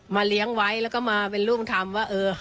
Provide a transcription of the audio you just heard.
มาเลี้ยงไว้แล้วก็มาเป็นร่วมทำว่าเออ